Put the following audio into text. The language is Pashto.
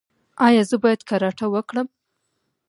ایا زه باید کراټه وکړم؟